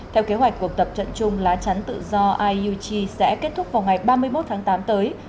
theo kế hoạch cuộc tập trận chung lá chắn tự do iyuch sẽ kết thúc vào ngày ba mươi một tháng tám tới